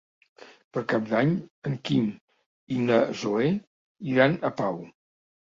Per Cap d'Any en Quim i na Zoè iran a Pau.